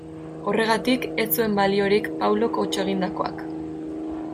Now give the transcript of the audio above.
Horregatik, ez zuen baliorik Paulok hots egindakoak.